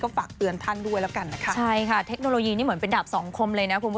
ก็ฝากเตือนท่านด้วยแล้วกันนะครับ